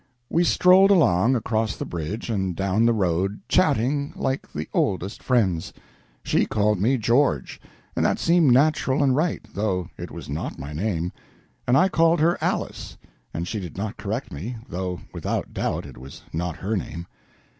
We strolled along, across the bridge and down the road, chatting like the oldest friends. She called me George, and that seemed natural and right, though it was not my name; and I called her Alice, and she did not correct me, though without doubt it was not her name.